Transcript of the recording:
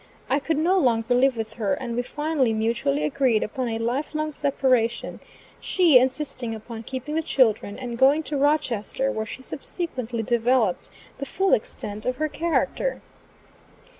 I could no longer live with her, and we finally mutually agreed upon a life long separation she insisting upon keeping the children, and going to Rochester where she subsequently developed the full extent of her character.